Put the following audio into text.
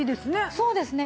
そうですね。